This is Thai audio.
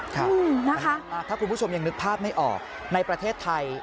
ถ้าคุณผู้ชมยังนึกภาพไม่ออกในประเทศไทย